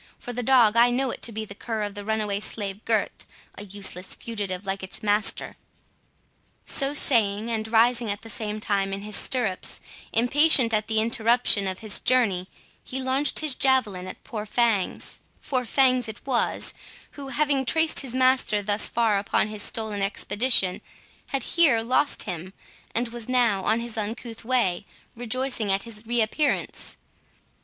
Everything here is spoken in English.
For the dog, I know it to be the cur of the runaway slave Gurth, a useless fugitive like its master." So saying, and rising at the same time in his stirrups, impatient at the interruption of his journey, he launched his javelin at poor Fangs—for Fangs it was, who, having traced his master thus far upon his stolen expedition, had here lost him, and was now, in his uncouth way, rejoicing at his reappearance.